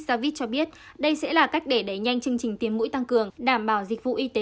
javid cho biết đây sẽ là cách để đẩy nhanh chương trình tiêm mũi tăng cường đảm bảo dịch vụ y tế